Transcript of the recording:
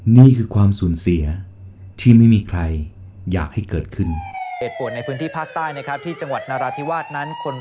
นี่คือความสูญเสียที่ไม่มีใครอยากให้เกิดขึ้น